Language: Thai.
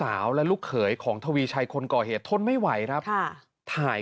อาทิตย์ที่๑๘เกิดอย่าหย่อนหนี